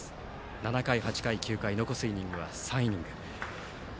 ７回、８回、９回と残すイニングは３イニング。